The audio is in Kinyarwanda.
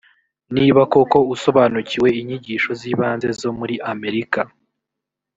niba koko usobanukiwe inyigisho z ibanze zo muri amerika